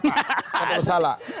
nggak ada masalah